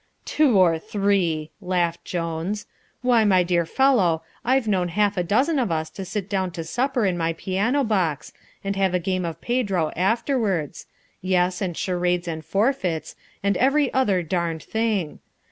"Two or three!" laughed Jones; "why, my dear fellow, I've known half a dozen of us to sit down to supper in my piano box, and have a game of pedro afterwards; yes, and charades and forfeits, and every other darned thing.